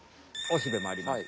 おしべもあります。